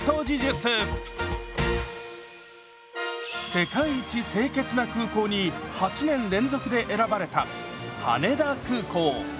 「世界一清潔な空港」に８年連続で選ばれた羽田空港。